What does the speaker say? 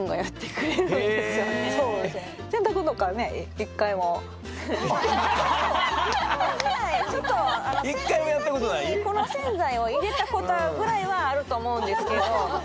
洗濯機に粉洗剤を入れたことぐらいはあると思うんですけど。